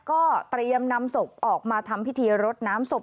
ก็เตรียมนำศพออกมาทำพิธีรดน้ำศพ